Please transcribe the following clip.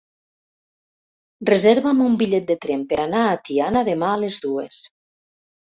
Reserva'm un bitllet de tren per anar a Tiana demà a les dues.